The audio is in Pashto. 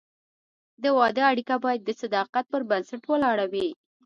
د واده اړیکه باید د صداقت پر بنسټ ولاړه وي.